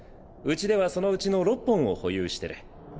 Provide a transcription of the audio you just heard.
うちではそのうちの６本を保有してる。